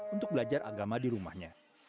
untuk belajar agama di rumahnya